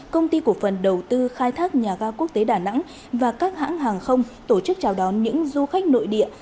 công ty cổ phần đầu tư khai thác nhà ga quốc tế đà nẵng và các hãng hàng không tổ chức chào đón những du khách nội địa